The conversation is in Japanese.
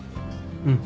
うん。